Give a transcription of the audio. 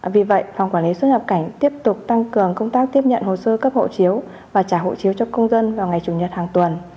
vì vậy phòng quản lý xuất nhập cảnh tiếp tục tăng cường công tác tiếp nhận hồ sơ cấp hộ chiếu và trả hộ chiếu cho công dân vào ngày chủ nhật hàng tuần